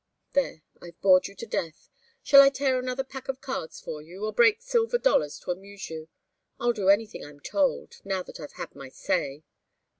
There, I've bored you to death shall I tear another pack of cards for you, or break silver dollars to amuse you? I'll do anything I'm told, now that I've had my say."